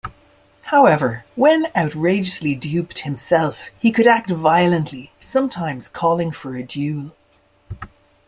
However, when outrageously duped himself, he could act violently, sometimes calling for a duel.